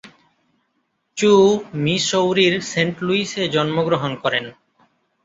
চু মিসৌরির সেন্ট লুইসে জন্মগ্রহণ করেন।